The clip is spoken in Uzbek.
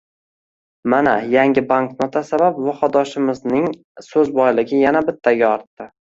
Mana, yangi banknota sabab vohadoshimizning soʻz boyligi yana bittaga ortdi.